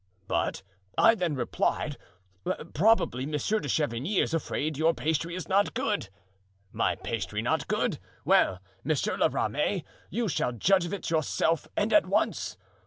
'But,' I then replied, 'probably Monsieur de Chavigny is afraid your pastry is not good.' 'My pastry not good! Well, Monsieur La Ramee, you shall judge of it yourself and at once.